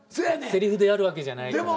セリフでやるわけじゃないから。